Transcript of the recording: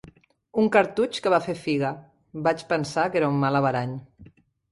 Un cartutx que va fer figa; vaig pensar que era un mal averany.